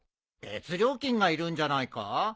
別料金がいるんじゃないか？